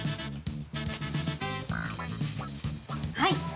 はい。